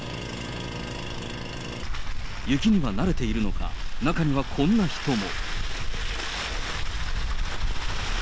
雪には慣れているのか、中にはこんな人も。